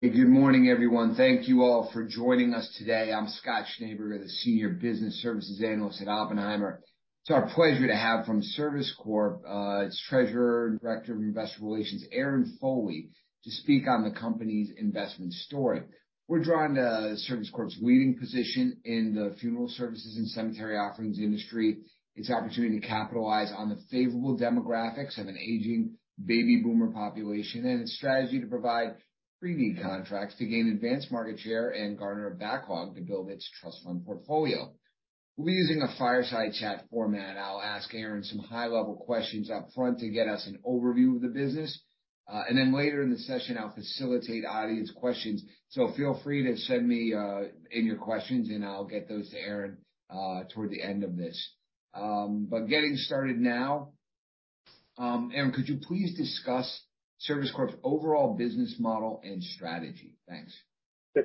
Good morning, everyone. Thank you all for joining us today. I'm Scott Schneeberger, the Senior Business Services Analyst at Oppenheimer. It's our pleasure to have from Service Corp, its Treasurer and Director of Investor Relations, Aaron Foley, to speak on the company's investment story. We're drawn to Service Corp's leading position in the funeral services and cemetery offerings industry, its opportunity to capitalize on the favorable demographics of an aging baby boomer population, and its strategy to provide pre-need contracts to gain advanced market share and garner a backlog to build its trust fund portfolio. We'll be using a fireside chat format. I'll ask Aaron some high-level questions upfront to get us an overview of the business, and then later in the session, I'll facilitate audience questions. So feel free to send in your questions, and I'll get those to Aaron toward the end of this. Getting started now, Aaron, could you please discuss Service Corp's overall business model and strategy? Thanks.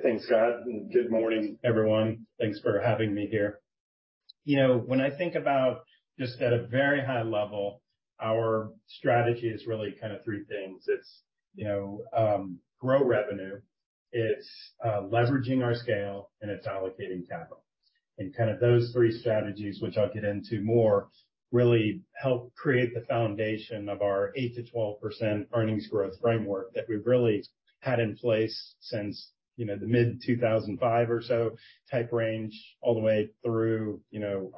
Thanks, Scott. Good morning, everyone. Thanks for having me here. You know, when I think about just at a very high level, our strategy is really kind of three things. It's grow revenue. It's leveraging our scale, and it's allocating capital, and kind of those three strategies, which I'll get into more, really help create the foundation of our 8%-12% earnings growth framework that we've really had in place since the mid-2005 or so type range all the way through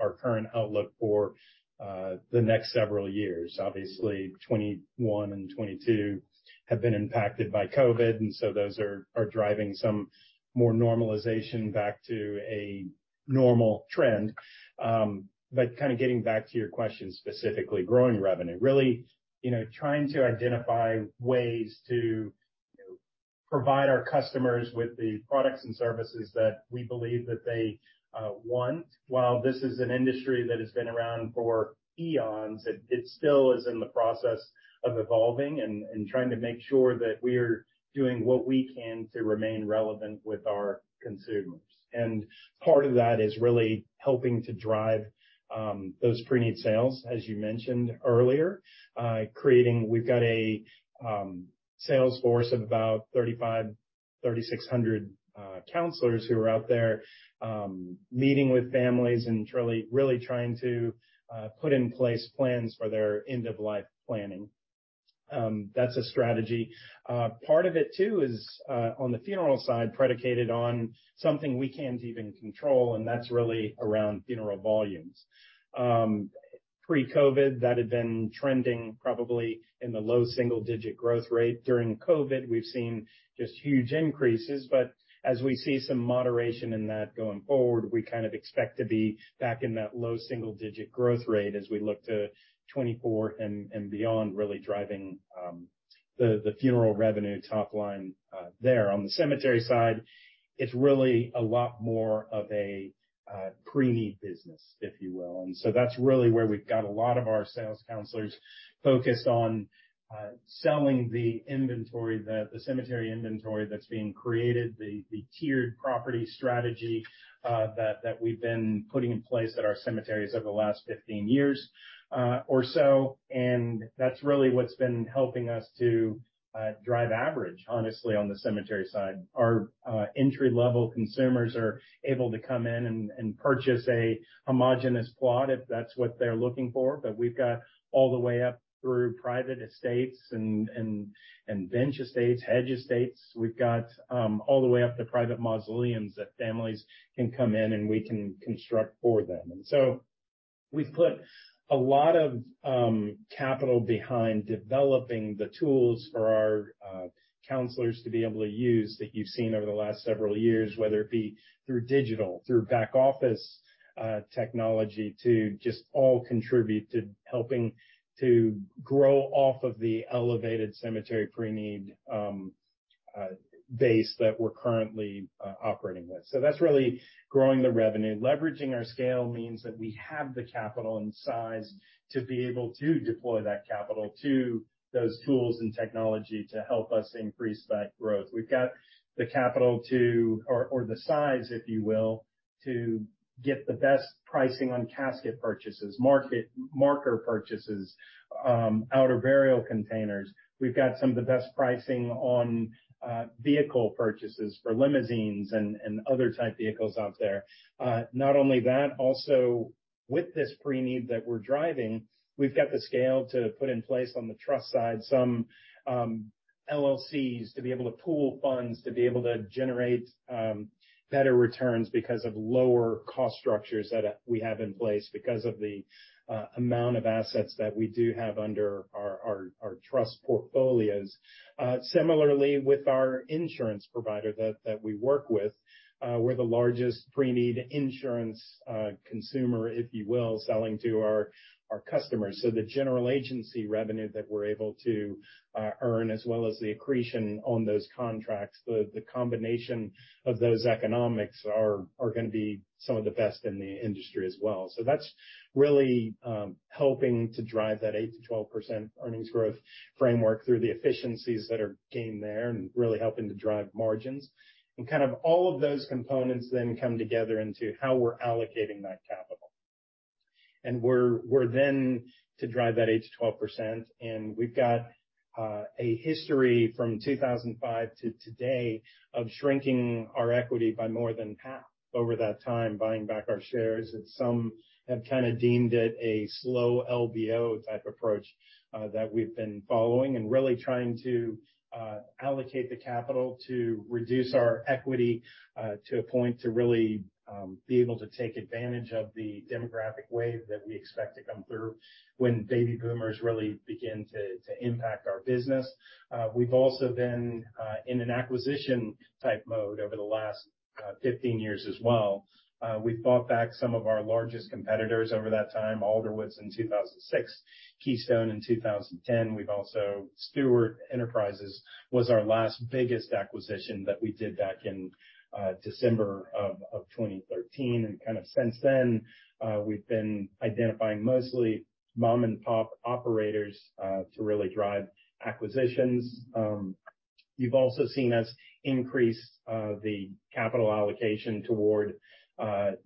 our current outlook for the next several years. Obviously, 2021 and 2022 have been impacted by COVID, and so those are driving some more normalization back to a normal trend, but kind of getting back to your question specifically, growing revenue, really trying to identify ways to provide our customers with the products and services that we believe that they want. While this is an industry that has been around for eons, it still is in the process of evolving and trying to make sure that we are doing what we can to remain relevant with our consumers, and part of that is really helping to drive those pre-need sales, as you mentioned earlier, creating we've got a sales force of about 3,500-3,600 counselors who are out there meeting with families and really trying to put in place plans for their end-of-life planning. That's a strategy. Part of it, too, is on the funeral side, predicated on something we can't even control, and that's really around funeral volumes. Pre-COVID, that had been trending probably in the low single-digit growth rate. During COVID, we've seen just huge increases. But as we see some moderation in that going forward, we kind of expect to be back in that low single-digit growth rate as we look to 2024 and beyond, really driving the funeral revenue top line there. On the cemetery side, it's really a lot more of a pre-need business, if you will. And so that's really where we've got a lot of our sales counselors focused on selling the inventory, the cemetery inventory that's being created, the tiered property strategy that we've been putting in place at our cemeteries over the last 15 years or so. And that's really what's been helping us to drive average, honestly, on the cemetery side. Our entry-level consumers are able to come in and purchase a homogeneous plot if that's what they're looking for. But we've got all the way up through private estates and bench estates, hedge estates. We've got all the way up to private mausoleums that families can come in and we can construct for them, and so we've put a lot of capital behind developing the tools for our counselors to be able to use that you've seen over the last several years, whether it be through digital, through back-office technology, to just all contribute to helping to grow off of the elevated cemetery pre-need base that we're currently operating with, so that's really growing the revenue. Leveraging our scale means that we have the capital and size to be able to deploy that capital to those tools and technology to help us increase that growth. We've got the capital to, or the size, if you will, to get the best pricing on casket purchases, monument and marker purchases, outer burial containers. We've got some of the best pricing on vehicle purchases for limousines and other type vehicles out there. Not only that, also with this pre-need that we're driving, we've got the scale to put in place on the trust side, some LLCs to be able to pool funds to be able to generate better returns because of lower cost structures that we have in place because of the amount of assets that we do have under our trust portfolios. Similarly, with our insurance provider that we work with, we're the largest pre-need insurance consumer, if you will, selling to our customers. So the general agency revenue that we're able to earn, as well as the accretion on those contracts, the combination of those economics are going to be some of the best in the industry as well. So that's really helping to drive that 8%-12% earnings growth framework through the efficiencies that are gained there and really helping to drive margins. And kind of all of those components then come together into how we're allocating that capital. And we're then to drive that 8%-12%. And we've got a history from 2005 to today of shrinking our equity by more than half over that time, buying back our shares. And some have kind of deemed it a slow LBO type approach that we've been following and really trying to allocate the capital to reduce our equity to a point to really be able to take advantage of the demographic wave that we expect to come through when baby boomers really begin to impact our business. We've also been in an acquisition type mode over the last 15 years as well. We've bought back some of our largest competitors over that time, Alderwoods in 2006, Keystone in 2010. We've also Stewart Enterprises was our last biggest acquisition that we did back in December of 2013. And kind of since then, we've been identifying mostly mom-and-pop operators to really drive acquisitions. You've also seen us increase the capital allocation toward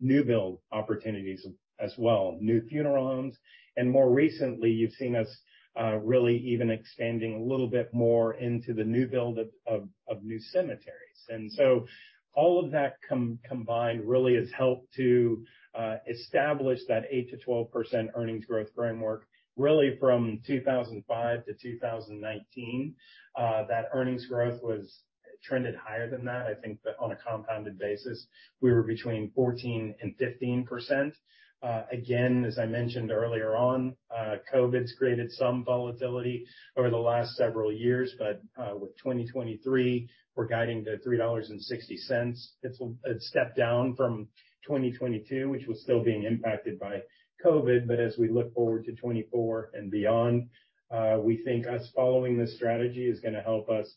new build opportunities as well, new funeral homes. And more recently, you've seen us really even expanding a little bit more into the new build of new cemeteries. And so all of that combined really has helped to establish that 8%-12% earnings growth framework. Really, from 2005 to 2019, that earnings growth was trended higher than that. I think that on a compounded basis, we were between 14% and 15%. Again, as I mentioned earlier on, COVID's created some volatility over the last several years. But with 2023, we're guiding to $3.60. It's a step down from 2022, which was still being impacted by COVID. But as we look forward to 2024 and beyond, we think us following this strategy is going to help us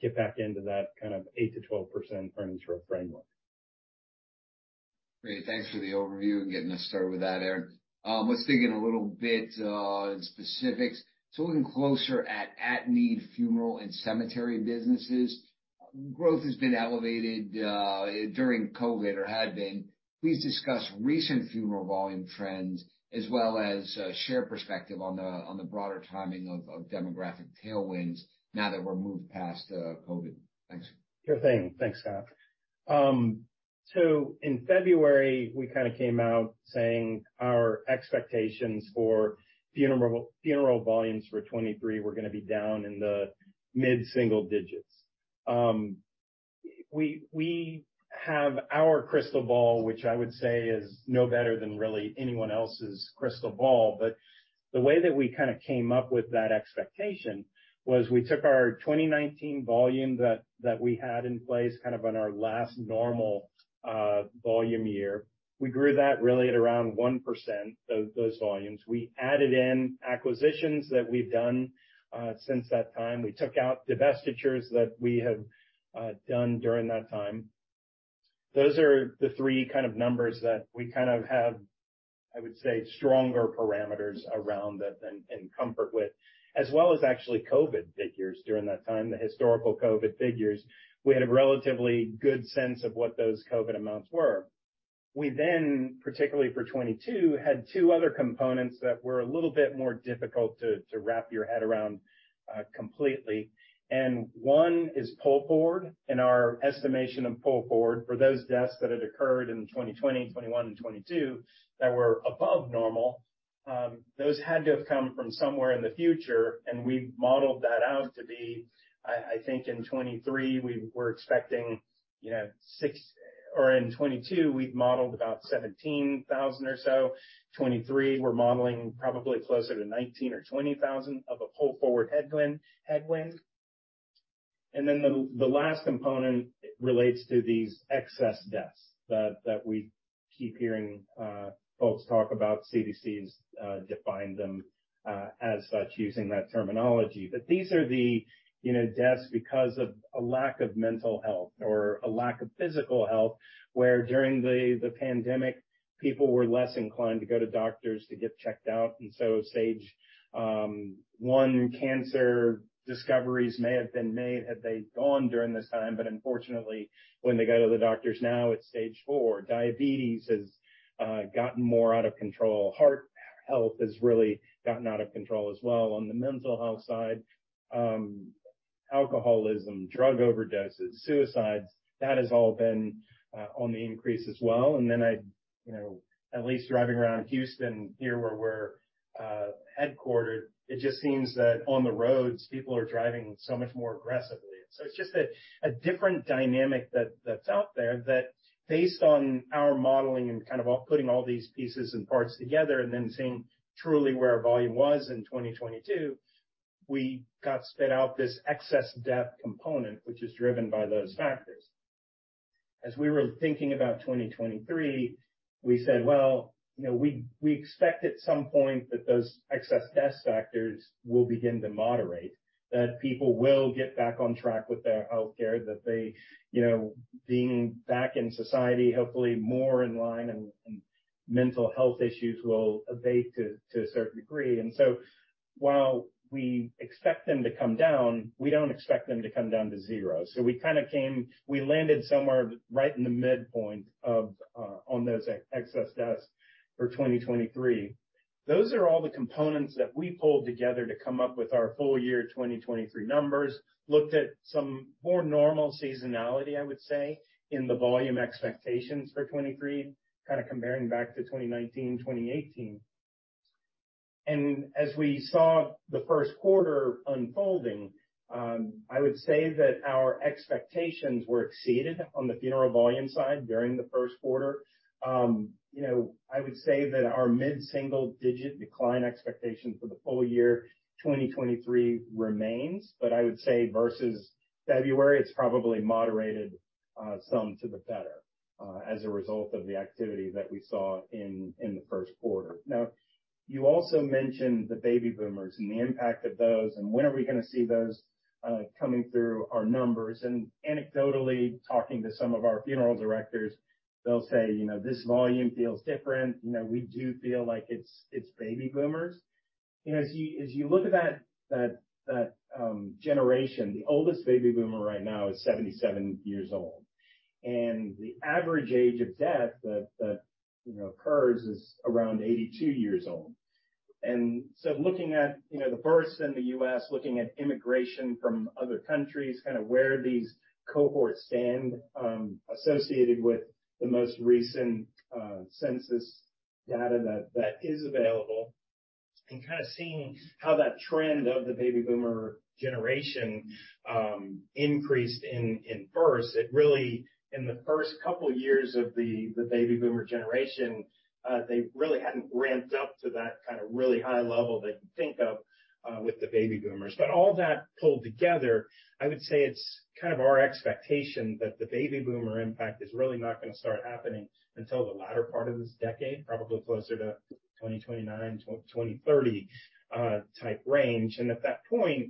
get back into that kind of 8%-12% earnings growth framework. Great. Thanks for the overview and getting us started with that, Aaron. Let's dig in a little bit in specifics. So looking closer at at-need funeral and cemetery businesses, growth has been elevated during COVID or had been. Please discuss recent funeral volume trends as well as share perspective on the broader timing of demographic tailwinds now that we're moved past COVID. Thanks. Sure thing. Thanks, Scott. So in February, we kind of came out saying our expectations for funeral volumes for 2023 were going to be down in the mid-single digits. We have our crystal ball, which I would say is no better than really anyone else's crystal ball. But the way that we kind of came up with that expectation was we took our 2019 volume that we had in place kind of on our last normal volume year. We grew that really at around 1% of those volumes. We added in acquisitions that we've done since that time. We took out divestitures that we have done during that time. Those are the three kind of numbers that we kind of have, I would say, stronger parameters around and comfort with, as well as actually COVID figures during that time, the historical COVID figures. We had a relatively good sense of what those COVID amounts were. We then, particularly for 2022, had two other components that were a little bit more difficult to wrap your head around completely, and one is pull forward. In our estimation of pull forward for those deaths that had occurred in 2020, 2021, and 2022 that were above normal, those had to have come from somewhere in the future, and we've modeled that out to be, I think in 2023, we were expecting or in 2022, we'd modeled about 17,000 or so. 2023, we're modeling probably closer to 19,000 or 20,000 of a pull forward headwind, and then the last component relates to these excess deaths that we keep hearing folks talk about. CDC has defined them as such using that terminology. But these are the deaths because of a lack of mental health or a lack of physical health, where during the pandemic, people were less inclined to go to doctors to get checked out. And so stage one cancer discoveries may have been made had they gone during this time. But unfortunately, when they go to the doctors now, it's stage four. Diabetes has gotten more out of control. Heart health has really gotten out of control as well. On the mental health side, alcoholism, drug overdoses, suicides, that has all been on the increase as well. And then at least driving around Houston here where we're headquartered, it just seems that on the roads, people are driving so much more aggressively. So it's just a different dynamic that's out there that, based on our modeling and kind of putting all these pieces and parts together and then seeing truly where our volume was in 2022, we got spit out this excess death component, which is driven by those factors. As we were thinking about 2023, we said, well, we expect at some point that those excess death factors will begin to moderate, that people will get back on track with their healthcare, that being back in society, hopefully more in line and mental health issues will abate to a certain degree, and so while we expect them to come down, we don't expect them to come down to zero, so we kind of came, we landed somewhere right in the midpoint on those excess deaths for 2023. Those are all the components that we pulled together to come up with our full year 2023 numbers, looked at some more normal seasonality, I would say, in the volume expectations for 2023, kind of comparing back to 2019, 2018, and as we saw the first quarter unfolding, I would say that our expectations were exceeded on the funeral volume side during the first quarter. I would say that our mid-single digit decline expectation for the full year 2023 remains, but I would say versus February, it's probably moderated some to the better as a result of the activity that we saw in the first quarter. Now, you also mentioned the baby boomers and the impact of those, and when are we going to see those coming through our numbers, and anecdotally, talking to some of our funeral directors, they'll say, you know, this volume feels different. You know, we do feel like it's baby boomers. As you look at that generation, the oldest baby boomer right now is 77 years old. And the average age of death that occurs is around 82 years old. And so looking at the births in the U.S., looking at immigration from other countries, kind of where these cohorts stand associated with the most recent census data that is available, and kind of seeing how that trend of the baby boomer generation increased in births, it really, in the first couple of years of the baby boomer generation, they really hadn't ramped up to that kind of really high level that you think of with the baby boomers. But all that pulled together, I would say it's kind of our expectation that the baby boomer impact is really not going to start happening until the latter part of this decade, probably closer to 2029, 2030 type range. And at that point,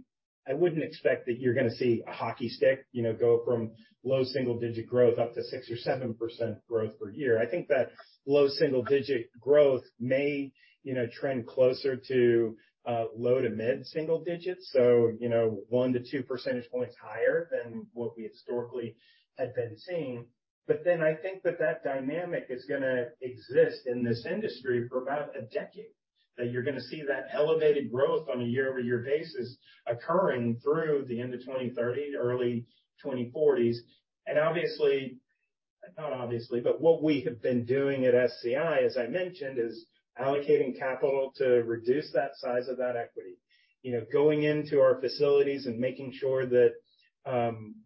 I wouldn't expect that you're going to see a hockey stick go from low single digit growth up to 6% or 7% growth per year. I think that low single digit growth may trend closer to low to mid-single digits, so one to two percentage points higher than what we historically had been seeing. But then I think that that dynamic is going to exist in this industry for about a decade, that you're going to see that elevated growth on a year-over-year basis occurring through the end of 2030, early 2040s. Obviously, not obviously, but what we have been doing at SCI, as I mentioned, is allocating capital to reduce that size of that equity, going into our facilities and making sure that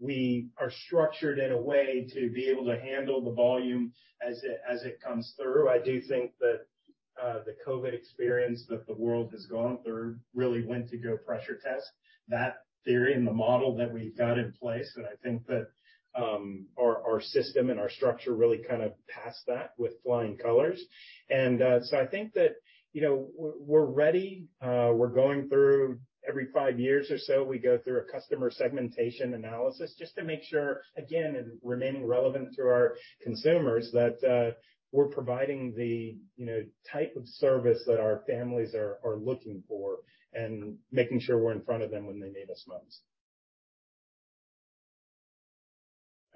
we are structured in a way to be able to handle the volume as it comes through. I do think that the COVID experience that the world has gone through really went to go pressure test that theory and the model that we've got in place. I think that our system and our structure really kind of passed that with flying colors. So I think that we're ready. We're going through every five years or so. We go through a customer segmentation analysis just to make sure, again, and remaining relevant to our consumers, that we're providing the type of service that our families are looking for and making sure we're in front of them when they need us most.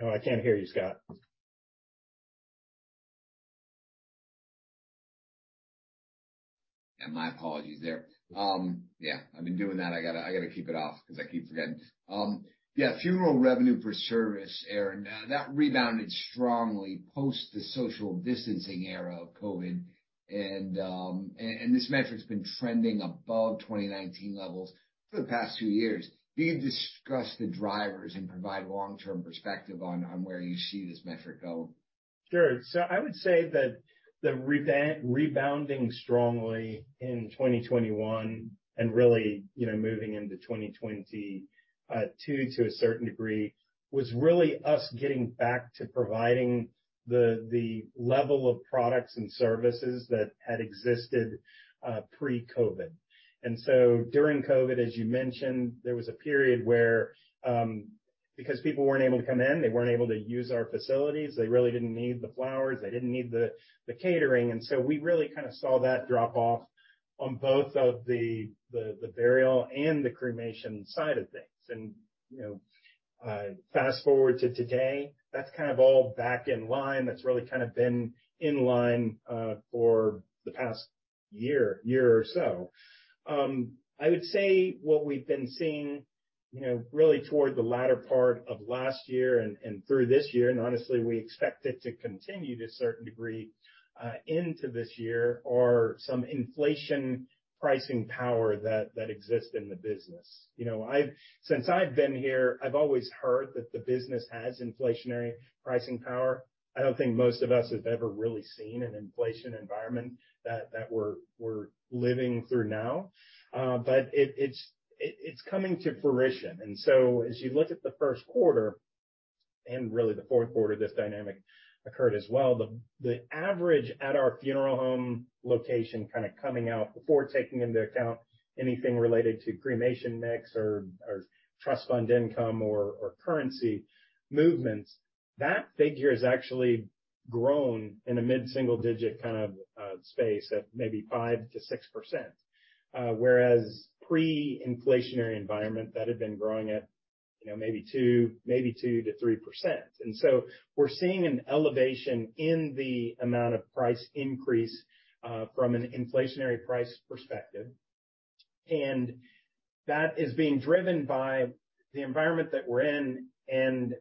Oh, I can't hear you, Scott. My apologies there. Yeah, I've been doing that. I got to keep it off because I keep forgetting. Yeah, funeral revenue per service, Aaron, that rebounded strongly post the social distancing era of COVID. This metric's been trending above 2019 levels for the past two years. Can you discuss the drivers and provide long-term perspective on where you see this metric going? Sure. So I would say that the rebounding strongly in 2021 and really moving into 2022 to a certain degree was really us getting back to providing the level of products and services that had existed pre-COVID. And so during COVID, as you mentioned, there was a period where because people weren't able to come in, they weren't able to use our facilities. They really didn't need the flowers. They didn't need the catering. And so we really kind of saw that drop off on both of the burial and the cremation side of things. And fast forward to today, that's kind of all back in line. That's really kind of been in line for the past year, year or so. I would say what we've been seeing really toward the latter part of last year and through this year, and honestly, we expect it to continue to a certain degree into this year, are some inflation pricing power that exists in the business. Since I've been here, I've always heard that the business has inflationary pricing power. I don't think most of us have ever really seen an inflation environment that we're living through now. But it's coming to fruition, and so as you look at the first quarter and really the fourth quarter, this dynamic occurred as well. The average at our funeral home location kind of coming out before taking into account anything related to cremation mix or trust fund income or currency movements, that figure has actually grown in a mid-single digit kind of space at maybe 5%-6%, whereas pre-inflationary environment, that had been growing at maybe 2%-3%. And so we're seeing an elevation in the amount of price increase from an inflationary price perspective. And that is being driven by the environment that we're in.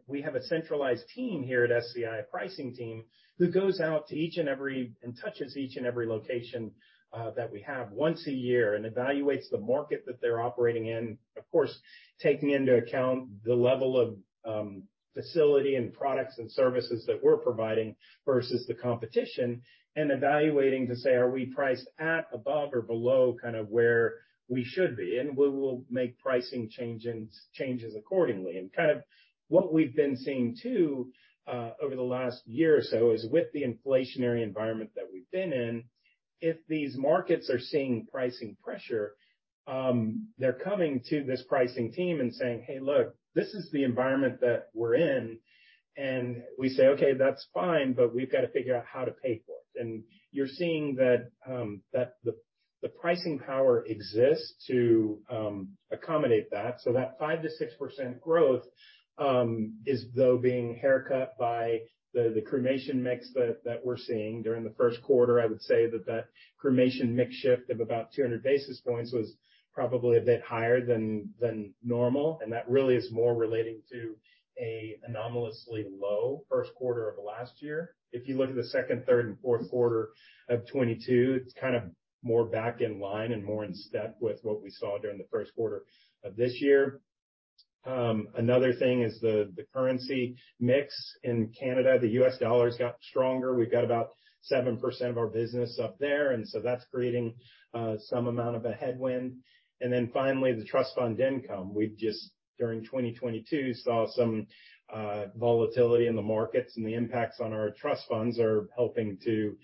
We have a centralized team here at SCI, a pricing team, who goes out to each and every location that we have once a year and evaluates the market that they're operating in, of course, taking into account the level of facility and products and services that we're providing versus the competition and evaluating to say, are we priced at, above, or below kind of where we should be? We will make pricing changes accordingly. And kind of what we've been seeing too over the last year or so is with the inflationary environment that we've been in, if these markets are seeing pricing pressure, they're coming to this pricing team and saying, "Hey, look, this is the environment that we're in." And we say, "Okay, that's fine, but we've got to figure out how to pay for it." And you're seeing that the pricing power exists to accommodate that. So that 5%-6% growth is, though, being haircut by the cremation mix that we're seeing during the first quarter. I would say that that cremation mix shift of about 200 basis points was probably a bit higher than normal. And that really is more relating to an anomalously low first quarter of last year. If you look at the second, third, and fourth quarter of 2022, it's kind of more back in line and more in step with what we saw during the first quarter of this year. Another thing is the currency mix in Canada. The US dollar has gotten stronger. We've got about 7% of our business up there. And so that's creating some amount of a headwind. And then finally, the trust fund income. We just, during 2022, saw some volatility in the markets. And the impacts on our trust funds are helping to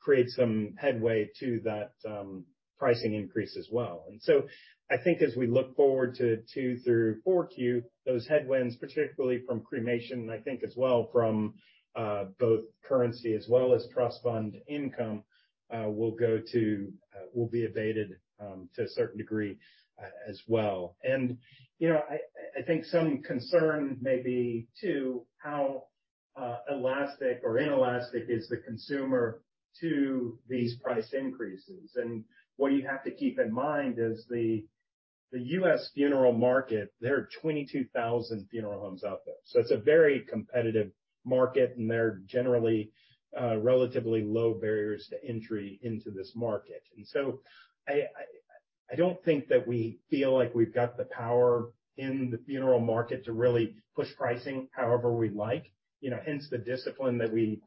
create some headwind to that pricing increase as well. And so I think as we look forward to 3Q through 4Q, those headwinds, particularly from cremation, and I think as well from both currency as well as trust fund income, will be abated to a certain degree as well. And I think some concern may be too how elastic or inelastic is the consumer to these price increases. And what you have to keep in mind is the U.S. funeral market. There are 22,000 funeral homes out there. So it's a very competitive market, and there are generally relatively low barriers to entry into this market. And so I don't think that we feel like we've got the power in the funeral market to really push pricing however we like. Hence the discipline that we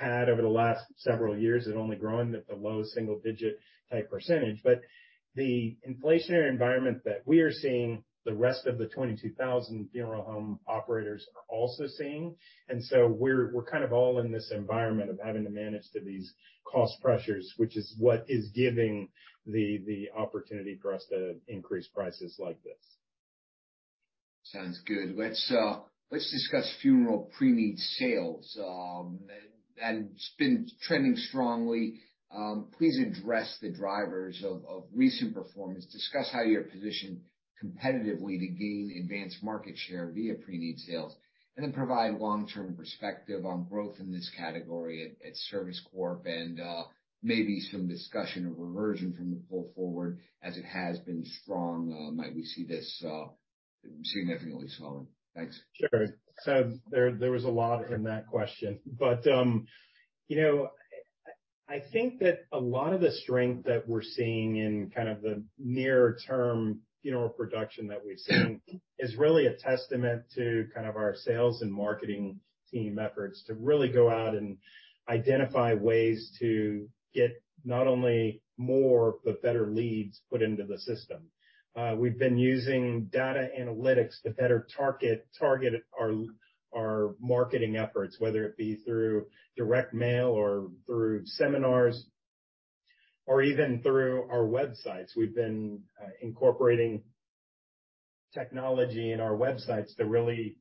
had over the last several years and only growing at the low single digit type percentage. But the inflationary environment that we are seeing, the rest of the 22,000 funeral home operators are also seeing. And so we're kind of all in this environment of having to manage to these cost pressures, which is what is giving the opportunity for us to increase prices like this. Sounds good. Let's discuss funeral pre-need sales. That's been trending strongly. Please address the drivers of recent performance. Discuss how you're positioned competitively to gain advanced market share via pre-need sales, and then provide long-term perspective on growth in this category at Service Corp and maybe some discussion of reversion from the pull forward as it has been strong. Might we see this significantly slowing? Thanks. Sure. So there was a lot in that question. But I think that a lot of the strength that we're seeing in kind of the near-term funeral production that we've seen is really a testament to kind of our sales and marketing team efforts to really go out and identify ways to get not only more, but better leads put into the system. We've been using data analytics to better target our marketing efforts, whether it be through direct mail or through seminars or even through our websites. We've been incorporating technology in our websites to really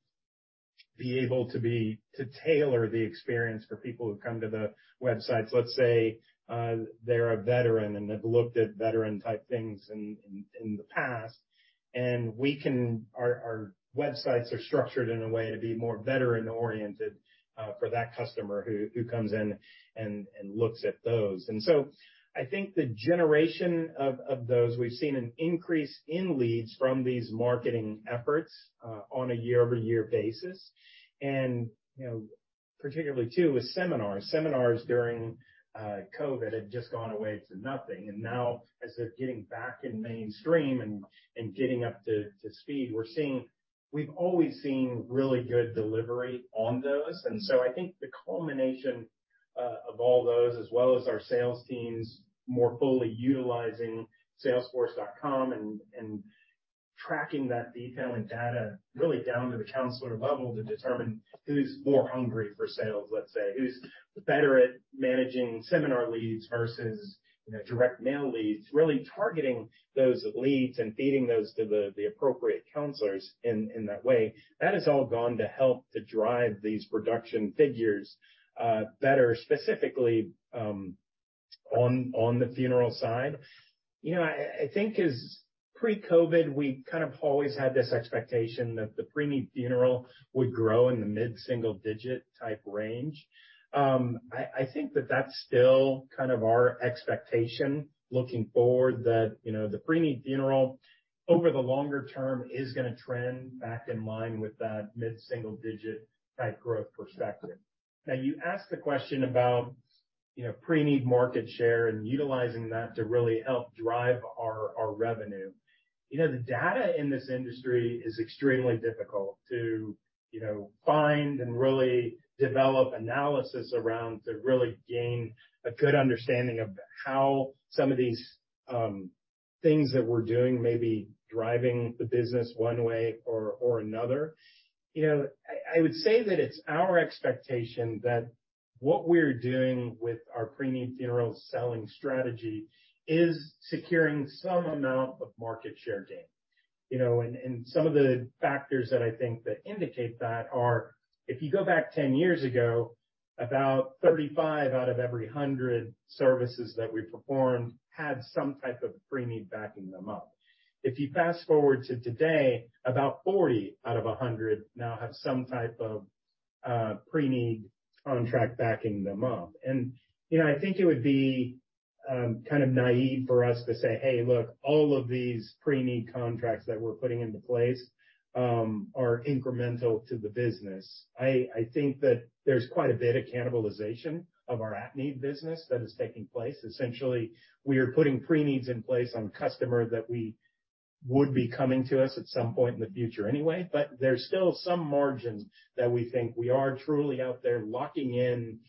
be able to tailor the experience for people who come to the websites. Let's say they're a veteran and have looked at veteran-type things in the past. And our websites are structured in a way to be more veteran-oriented for that customer who comes in and looks at those. And so I think the generation of those. We've seen an increase in leads from these marketing efforts on a year-over-year basis. And particularly too with seminars. Seminars during COVID had just gone away to nothing. And now, as they're getting back in mainstream and getting up to speed, we're seeing. We've always seen really good delivery on those. And so I think the culmination of all those, as well as our sales teams more fully utilizing Salesforce.com and tracking that detail and data really down to the counselor level to determine who's more hungry for sales, let's say, who's better at managing seminar leads versus direct mail leads, really targeting those leads and feeding those to the appropriate counselors in that way. That has all gone to help to drive these production figures better, specifically on the funeral side. I think as pre-COVID, we kind of always had this expectation that the pre-need funeral would grow in the mid-single digit type range. I think that that's still kind of our expectation looking forward, that the pre-need funeral over the longer term is going to trend back in line with that mid-single digit type growth perspective. Now, you asked the question about pre-need market share and utilizing that to really help drive our revenue. The data in this industry is extremely difficult to find and really develop analysis around to really gain a good understanding of how some of these things that we're doing may be driving the business one way or another. I would say that it's our expectation that what we're doing with our pre-need funeral selling strategy is securing some amount of market share gain. And some of the factors that I think that indicate that are, if you go back 10 years ago, about 35 out of every 100 services that we performed had some type of pre-need backing them up. If you fast forward to today, about 40 out of 100 now have some type of pre-need contract backing them up. And I think it would be kind of naive for us to say, "Hey, look, all of these pre-need contracts that we're putting into place are incremental to the business." I think that there's quite a bit of cannibalization of our at-need business that is taking place. Essentially, we are putting pre-needs in place on customers that would be coming to us at some point in the future anyway. But there's still some margin that we think we are truly out there locking in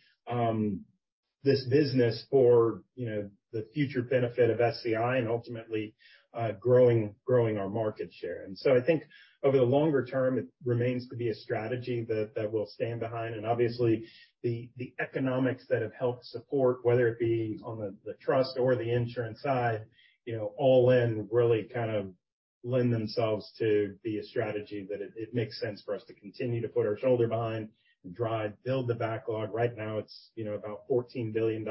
this business for the future benefit of SCI and ultimately growing our market share. And so I think over the longer term, it remains to be a strategy that will stand behind. And obviously, the economics that have helped support, whether it be on the trust or the insurance side, all in really kind of lend themselves to be a strategy that it makes sense for us to continue to put our shoulder behind and drive, build the backlog. Right now, it's about $14 billion.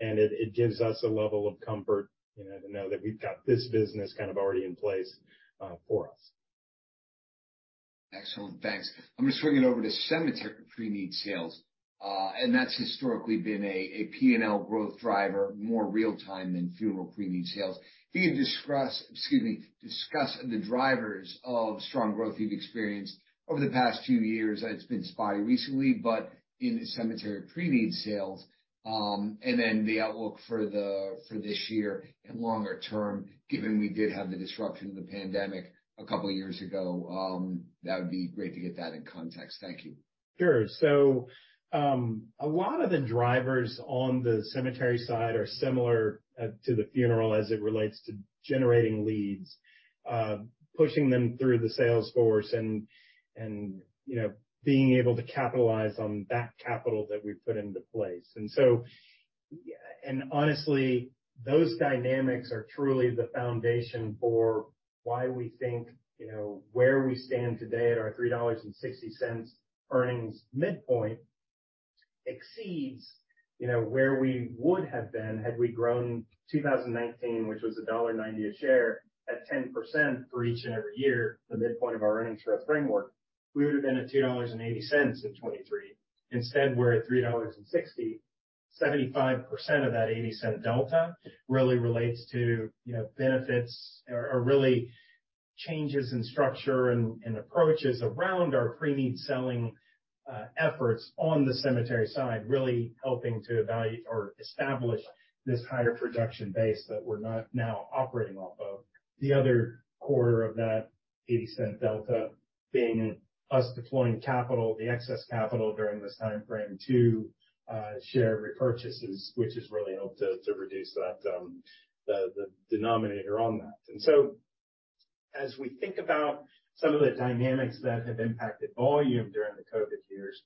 And it gives us a level of comfort to know that we've got this business kind of already in place for us. Excellent. Thanks. I'm going to swing it over to cemetery pre-need sales, and that's historically been a P&L growth driver, more real-time than funeral pre-need sales. If you could discuss, excuse me, discuss the drivers of strong growth you've experienced over the past few years. It's been spotty recently, but in cemetery pre-need sales, and then the outlook for this year and longer term, given we did have the disruption of the pandemic a couple of years ago, that would be great to get that in context. Thank you. Sure. So a lot of the drivers on the cemetery side are similar to the funeral as it relates to generating leads, pushing them through the Salesforce and being able to capitalize on that capital that we've put into place. And honestly, those dynamics are truly the foundation for why we think where we stand today at our $3.60 earnings midpoint exceeds where we would have been had we grown 2019, which was $1.90 a share at 10% for each and every year, the midpoint of our earnings growth framework. We would have been at $2.80 in 2023. Instead, we're at $3.60. 75% of that $0.80 delta really relates to benefits or really changes in structure and approaches around our pre-need selling efforts on the cemetery side, really helping to evaluate or establish this higher production base that we're now operating off of. The other quarter of that $0.80 delta being us deploying capital, the excess capital during this timeframe to share repurchases, which has really helped to reduce the denominator on that, and so as we think about some of the dynamics that have impacted volume during the COVID years,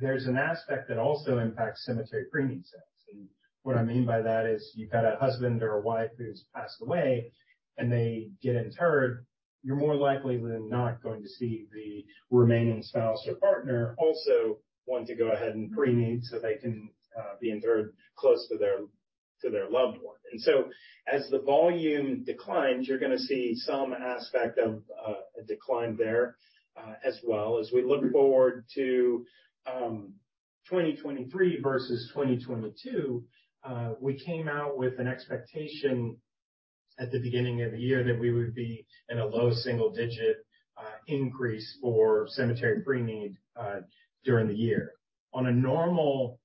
there's an aspect that also impacts cemetery pre-need sales, and what I mean by that is you've got a husband or a wife who's passed away, and they get interred, you're more likely than not going to see the remaining spouse or partner also want to go ahead and pre-need so they can be interred close to their loved one, and so as the volume declines, you're going to see some aspect of a decline there as well. As we look forward to 2023 versus 2022, we came out with an expectation at the beginning of the year that we would be in a low single-digit increase for cemetery pre-need during the year. On a normal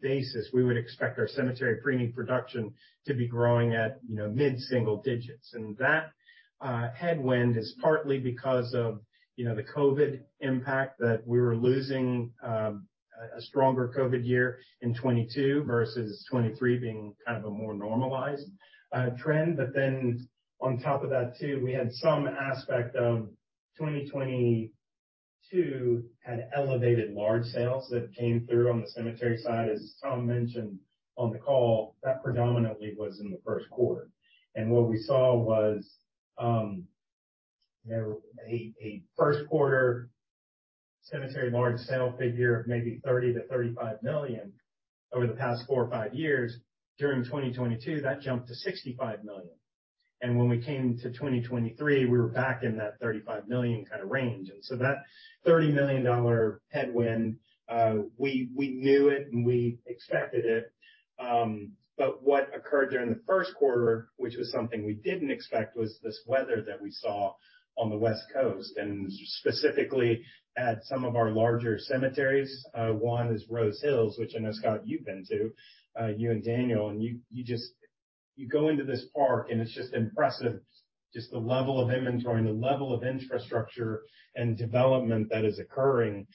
basis, we would expect our cemetery pre-need production to be growing at mid-single digits. And that headwind is partly because of the COVID impact that we were losing a stronger COVID year in 2022 versus 2023 being kind of a more normalized trend. But then on top of that too, we had some aspect of 2022 had elevated large sales that came through on the cemetery side, as Tom mentioned on the call. That predominantly was in the first quarter. And what we saw was a first-quarter cemetery large sale figure of maybe $30 million-$35 million over the past four or five years. During 2022, that jumped to $65 million. When we came to 2023, we were back in that $35 million kind of range. That $30 million headwind, we knew it and we expected it. What occurred during the first quarter, which was something we didn't expect, was this weather that we saw on the West Coast, and specifically at some of our larger cemeteries. One is Rose Hills, which I know, Scott, you've been to, you and Daniel. You go into this park and it's just impressive, just the level of inventory and the level of infrastructure and development that is occurring.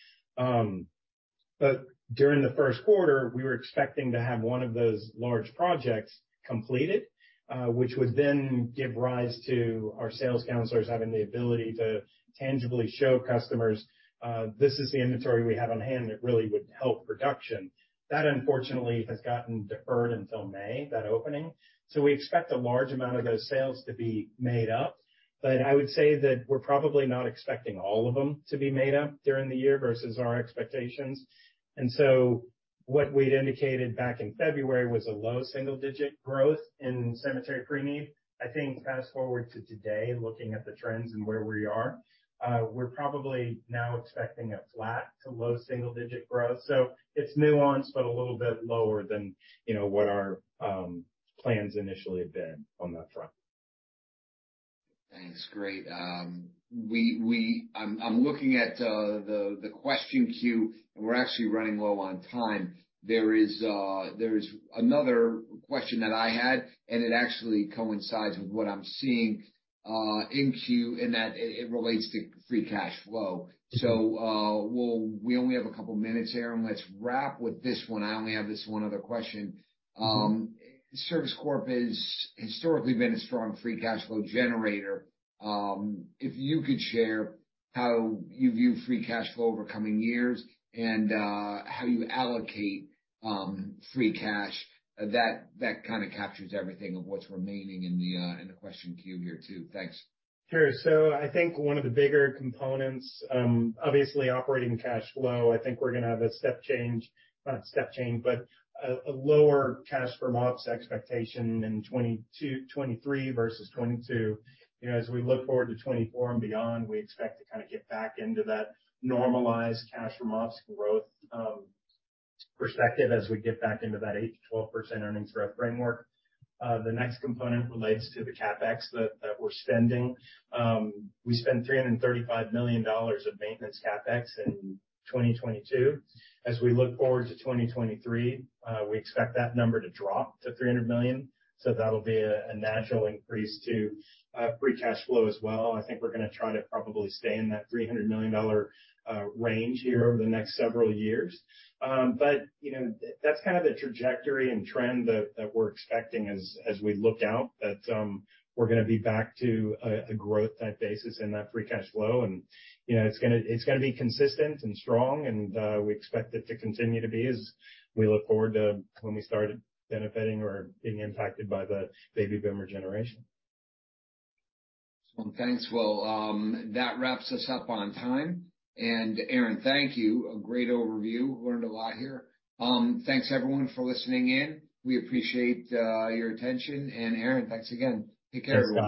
During the first quarter, we were expecting to have one of those large projects completed, which would then give rise to our sales counselors having the ability to tangibly show customers, "This is the inventory we have on hand that really would help production. That unfortunately has gotten deferred until May, that opening." So we expect a large amount of those sales to be made up. But I would say that we're probably not expecting all of them to be made up during the year versus our expectations. And so what we'd indicated back in February was a low single-digit growth in cemetery pre-need. I think fast forward to today, looking at the trends and where we are, we're probably now expecting a flat to low single-digit growth. So it's nuanced, but a little bit lower than what our plans initially have been on that front. Thanks. Great. I'm looking at the question queue, and we're actually running low on time. There is another question that I had, and it actually coincides with what I'm seeing in queue, and that it relates to free cash flow. So we only have a couple of minutes here, and let's wrap with this one. I only have this one other question. Service Corp has historically been a strong free cash flow generator. If you could share how you view free cash flow over coming years and how you allocate free cash, that kind of captures everything of what's remaining in the question queue here too. Thanks. Sure. So I think one of the bigger components, obviously operating cash flow, I think we're going to have a step change, not step change, but a lower cash from ops expectation in 2023 versus 2022. As we look forward to 2024 and beyond, we expect to kind of get back into that normalized cash from ops growth perspective as we get back into that 8%-12% earnings growth framework. The next component relates to the CapEx that we're spending. We spent $335 million of maintenance CapEx in 2022. As we look forward to 2023, we expect that number to drop to $300 million. So that'll be a natural increase to free cash flow as well. I think we're going to try to probably stay in that $300 million range here over the next several years. But that's kind of the trajectory and trend that we're expecting as we look out that we're going to be back to a growth type basis in that free cash flow. And it's going to be consistent and strong, and we expect it to continue to be as we look forward to when we started benefiting or being impacted by the baby boomer generation. Excellent. Thanks. Well, that wraps us up on time. And Aaron, thank you. A great overview. Learned a lot here. Thanks, everyone, for listening in. We appreciate your attention. And Aaron, thanks again. Take care, everyone.